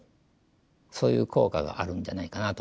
そういう効果があるんじゃないかなと思います。